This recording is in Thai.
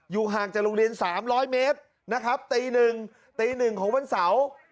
ห่างจากโรงเรียน๓๐๐เมตรนะครับตีหนึ่งตีหนึ่งของวันเสาร์